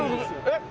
えっ？